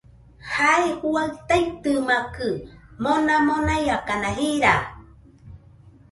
Jae juaɨ taitɨmakɨ, mona monaiakana jira